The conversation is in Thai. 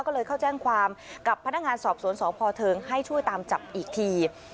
ก็เลยเข้าแจ้งความกับพนักงานสอบสวนสพเทิงให้ช่วยตามจับอีกที